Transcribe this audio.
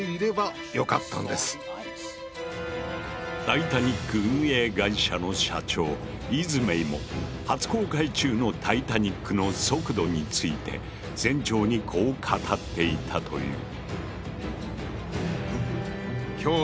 タイタニック運営会社の社長イズメイも初航海中のタイタニックの速度について船長にこう語っていたという。